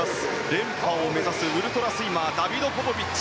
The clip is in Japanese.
連覇を目指すウルトラスイマーダビド・ポポビッチ。